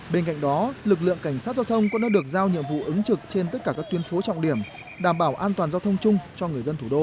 bên cạnh đó lực lượng cảnh sát giao thông cũng đã được giao nhiệm vụ ứng trực trên tất cả các tuyên phố trọng điểm đảm bảo an toàn giao thông chung cho người dân thủ đô